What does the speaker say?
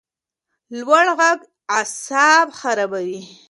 لوړ غږ اعصاب خرابوي